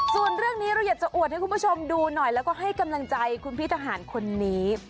ส่วนเรื่องนี้เราอยากจะอวดให้คุณผู้ชมดูหน่อยแล้วก็ให้กำลังใจคุณพี่ทหารคนนี้